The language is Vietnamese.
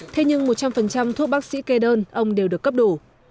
thế nhưng một trăm linh thuốc bác sĩ kê đơn ông đều được cấp đủ